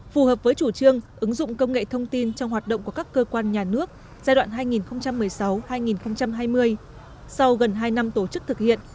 phù hợp với chủ trương ứng dụng công nghệ thông tin trong hoạt động của các cơ quan nhà nước giai đoạn hai nghìn một mươi sáu hai nghìn hai mươi sau gần hai năm tổ chức thực hiện